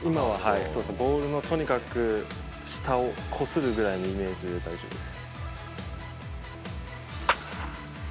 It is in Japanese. ボールのとにかく下をこするぐらいのイメージで大丈夫です。